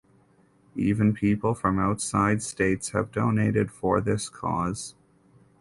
Even people from outside states have donated for this cause.